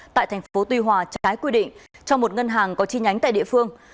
tại thành phố tuy hòa trái quy định cho một ngân hàng có chi nhánh tại địa phương